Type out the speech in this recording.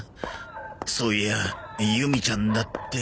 そういやユミちゃんだって。